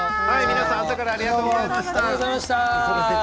朝からありがとうございました。